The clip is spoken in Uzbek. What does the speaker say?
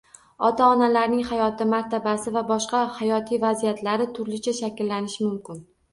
Ota-onalarning hayoti, martabasi va boshqa hayotiy vaziyatlari turlicha shakllanishi mumkin.